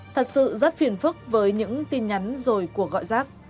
thật sự rất phiền phức với những tin nhắn rồi của gọi giác